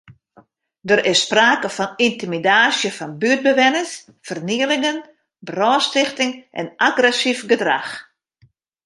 Der is sprake fan yntimidaasje fan buertbewenners, fernielingen, brânstichting en agressyf gedrach.